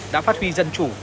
đã phát huy dân chủ